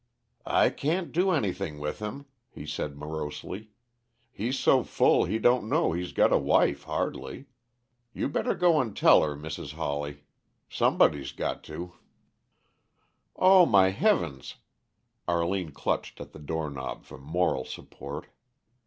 "I can't do anything with him," he said morosely. "He's so full he don't know he's got a wife, hardly. You better go and tell her, Mrs. Hawley. Somebody's got to." "Oh, my heavens!" Arline clutched at the doorknob for moral support.